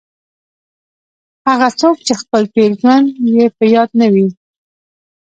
هغه څوک چې خپل تېر ژوند یې په یاد نه وي.